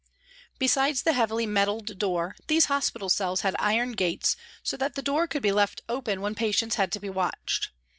Besides the heavily metalled door, these hospital cells had iron gates, so that the door could be left open when patients had to be watched.